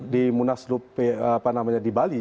di munaslup di bali